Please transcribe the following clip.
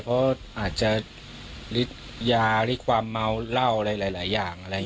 เพราะอาจจะฤทธิ์ยาฤทธิความเมาเหล้าอะไรหลายอย่าง